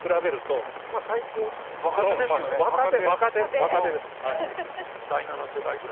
若手です。